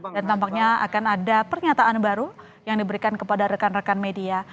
dan tampaknya akan ada pernyataan baru yang diberikan kepada rekan rekan media